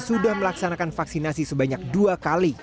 sudah melaksanakan vaksinasi sebanyak dua kali